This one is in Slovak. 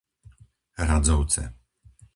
Radzovce